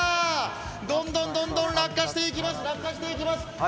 どんどん落下していきます、落下していきます。